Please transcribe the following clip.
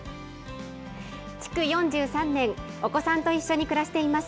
築４３年、お子さんと一緒に暮らしています。